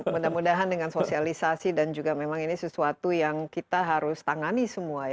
mudah mudahan dengan sosialisasi dan juga memang ini sesuatu yang kita harus tangani semua ya